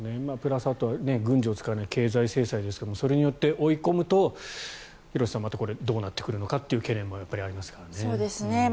プラス、あとは軍事を使わない経済制裁ですがそれによって追い込むと廣瀬さん、またこれはどうなってくるのかという懸念もありますからね。